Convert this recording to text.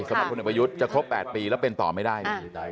สำหรับคุณเอกประยุทธ์จะครบ๘ปีแล้วเป็นต่อไม่ได้